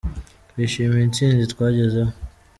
Twishimiye intsinzi twagezeho.